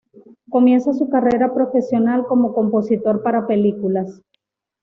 Comienza su carrera profesional como compositor para películas.